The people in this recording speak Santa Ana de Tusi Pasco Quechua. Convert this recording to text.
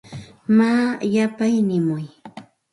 Maa yapay nimuy.